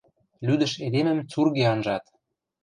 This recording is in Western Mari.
Лӱдӹш эдемӹм цурге анжат.